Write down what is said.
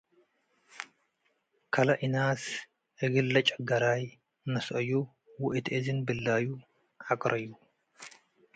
ከለእናስ እግል ለጭገራይ ነስአዩ ወእት እዝን ብላዩ ዐቅረዩ።